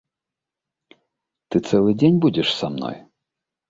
Ты цэлы дзень будзеш са мной?